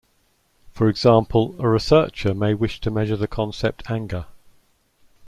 For example, a researcher may wish to measure the concept anger.